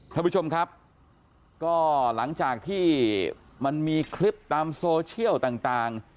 ท่านผู้ชมครับก็หลังจากที่มันมีคลิปตามโซเชียลต่าง